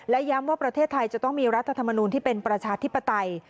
และย้ำว่าประเทศไทยจะต้องมีรัฐธรรมนูลที่เป็นประชาธิปไตย